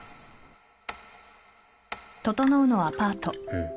うん。